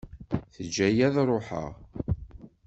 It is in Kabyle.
Teǧǧa-iyi ad ṛuḥeɣ.